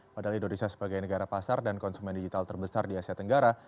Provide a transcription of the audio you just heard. padahal indonesia sebagai negara pasar dan konsumen digital terbesar di asia tenggara